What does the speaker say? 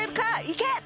いけ！